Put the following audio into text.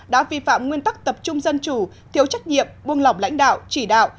đã vi phạm nguyên tắc tập trung dân chủ thiếu trách nhiệm buông lỏng lãnh đạo chỉ đạo